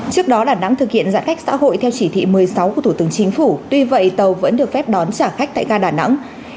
trước đó đà nẵng thực hiện giãn cách xã hội theo chỉ thị một mươi sáu của thủ tướng chính phủ tuy vậy tàu vẫn được phép đón trả khách tại ga đà nẵng